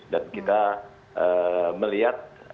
dan kita melihat